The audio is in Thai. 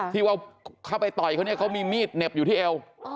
ทีละชาติเนี่ยเขมีมีดเน็บอยู่ที่เอล